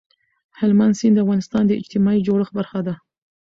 هلمند سیند د افغانستان د اجتماعي جوړښت برخه ده.